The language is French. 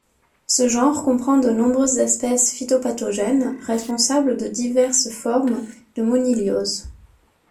Ce genre comprend de nombreuses espèces phytopathogènes, responsables de diverses formes de moniliose.